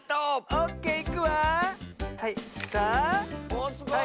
おっすごい。